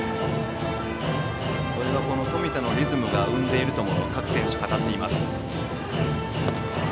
それは冨田のリズムが生んでいるとも各選手、語っています。